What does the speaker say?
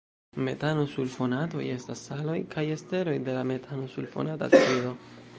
Metano-sulfonatoj estas saloj kaj esteroj de la metano-sulfonata acido.